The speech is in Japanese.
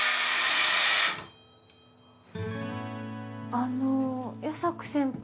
あの矢差暮先輩